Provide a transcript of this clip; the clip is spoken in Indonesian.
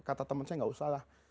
kata teman saya gak usahlah